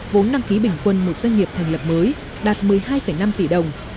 vốn đăng ký bình quân một doanh nghiệp thành lập mới đạt một mươi hai năm tỷ đồng